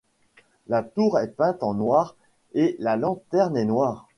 La tour est peinte en noire et la lanterne est noire.